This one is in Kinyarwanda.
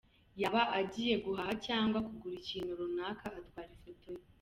Yaba agiye guhaha cyangwa kugura ikintu runaka, atwara ifoto ye.